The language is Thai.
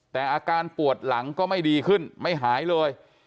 แต่อาการปวดหลังก็ไม่ดีขึ้นไม่หายเลย